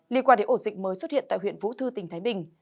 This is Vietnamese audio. liên quan đến ổ dịch mới xuất hiện tại huyện vũ thư tỉnh thái bình